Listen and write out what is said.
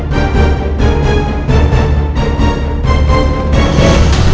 tolong jatuh sama belakang saya